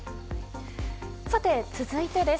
さて、続いてです。